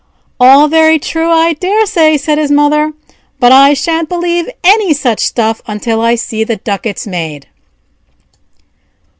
'" "All very true, I daresay," said his mother; "but I shan't believe any such stuff until I see the ducats made."